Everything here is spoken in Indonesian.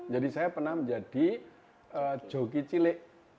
jadi saya pernah menjadi joki cilik